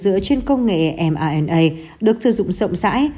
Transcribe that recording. dựa trên công nghệ mrna được sử dụng rộng rãi